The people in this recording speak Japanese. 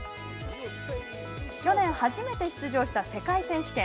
去年初めて出場した世界選手権。